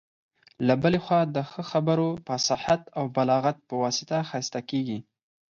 له بلي خوا د ښه خبرو، فصاحت او بلاغت په واسطه ښايسته کيږي.